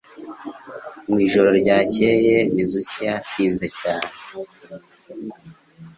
Mu ijoro ryakeye Mizuki yasinze cyane